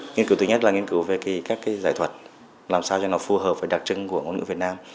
nghiên cứu thứ nhất là nghiên cứu về các giải thuật làm sao cho nó phù hợp với đặc trưng của ngôn ngữ việt nam